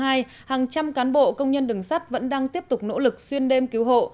hàng trăm cán bộ công nhân đường sắt vẫn đang tiếp tục nỗ lực xuyên đêm cứu hộ